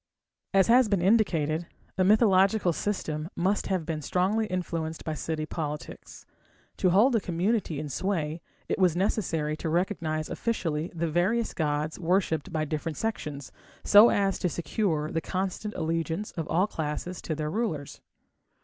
As has been indicated, a mythological system must have been strongly influenced by city politics. To hold a community in sway, it was necessary to recognize officially the various gods worshipped by different sections, so as to secure the constant allegiance of all classes to their rulers.